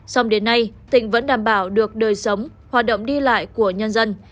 xong đến nay tỉnh vẫn đảm bảo được đời sống hoạt động đi lại của nhân dân